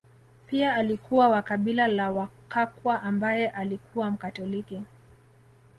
Pia alikuwa wa kabila la Wakakwa ambaye alikuwa Mkatoliki